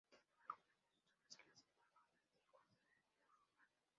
Donó algunas de sus obras a las Embajadas de Ecuador en Europa.